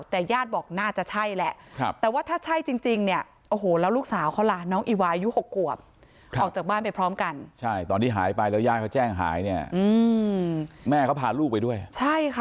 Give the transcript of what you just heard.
แต่ญาติบอกน่าจะใช่แหละ